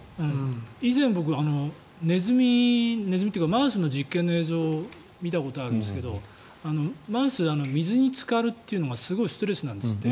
以前、僕、ネズミというかマウスの実験の映像を見たことがあるんですがマウスは水につかるというのがすごいストレスなんですって。